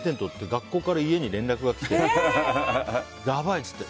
学校から家に連絡が来てやばいって言って。